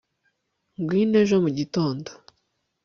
ngwino ejo mu gitondo